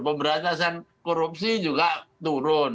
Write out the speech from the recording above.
pemberantasan korupsi juga turun